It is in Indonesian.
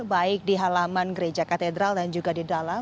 baik di halaman gereja katedral dan juga di dalam